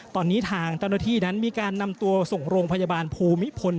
ตอนนี้ทางตรฐีนั้นมีการนำตัวส่งโรงพยาบาลภูมิพล